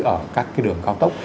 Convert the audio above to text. ở các cái đường cao tốc